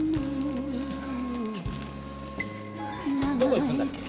どこ行くんだっけ？